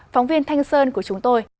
phóng viên thanh sơn của chúng tôi